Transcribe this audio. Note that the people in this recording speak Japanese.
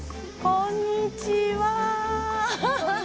こんにちは。